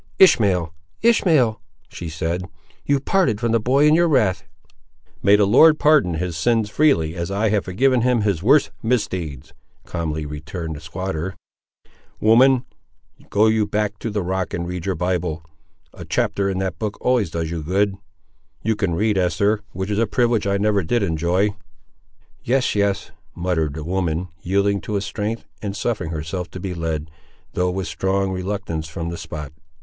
"Ishmael! Ishmael!" she said, "you parted from the boy in your wrath!" "May the Lord pardon his sins freely as I have forgiven his worst misdeeds!" calmly returned the squatter: "woman, go you back to the rock and read your Bible; a chapter in that book always does you good. You can read, Eester; which is a privilege I never did enjoy." "Yes, yes," muttered the woman, yielding to his strength, and suffering herself to be led, though with strong reluctance from the spot.